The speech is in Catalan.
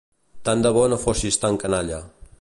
Tant de bo no fossis tan canalla.